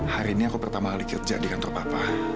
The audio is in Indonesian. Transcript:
hari ini aku pertama kali kerja di kantor papa